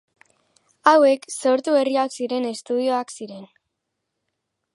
Hauek, sortu berriak ziren estudioak ziren.